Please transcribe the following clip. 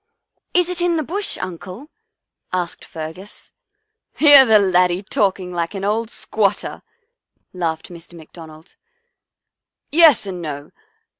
" Is it in the Bush, Uncle? " asked Fergus. " Hear the laddie talking like an old squat ter," laughed Mr. McDonald. " Yes and no.